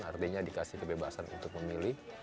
artinya dikasih kebebasan untuk memilih